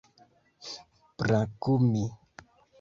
brakumi